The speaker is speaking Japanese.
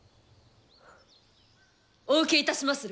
お受けいたしまする。